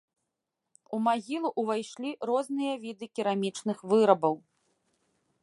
У магілу ўвайшлі розныя віды керамічных вырабаў.